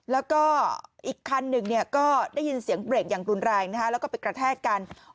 แล้วก็อีกคันหนึ่งก็ได้ยินเสียงเบรกอย่างรุนแรงแล้วก็ไปกระแทกกัน